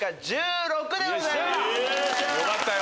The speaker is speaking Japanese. よかったよ！